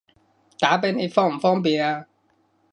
打畀你方唔方便啊？